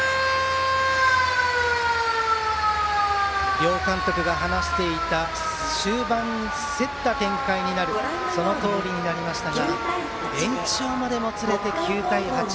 両監督が話していた終盤、競った展開になるそのとおりになりましたが延長までもつれて９対８。